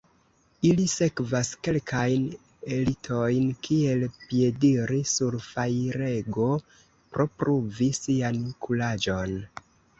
Ili sekvas kelkajn ritojn kiel piediri sur fajrego pro pruvi sian kuraĝon.